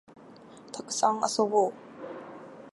たくさん遊ぼう